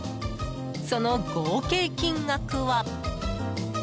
その合計金額は。